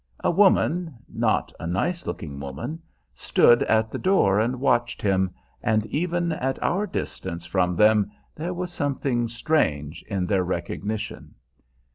A woman not a nice looking woman stood at the door and watched him, and even at our distance from them there was something strange in their recognition.